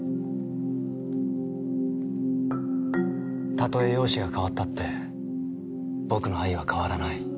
例え容姿が変わったって僕の愛は変わらない。